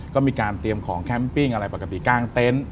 ก็มีการเตรียมของแคมปิ้งอะไรปกติกลางเต็นต์